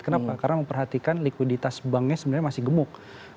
kenapa karena memperhatikan likuiditas banknya sebenarnya masih gemuk